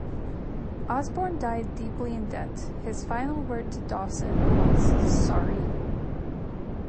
Osborne died deeply in debt, his final word to Dawson was: "Sorry".